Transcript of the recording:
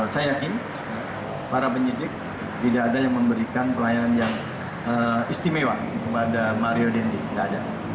saya yakin para penyidik tidak ada yang memberikan pelayanan yang istimewa kepada mario dendi tidak ada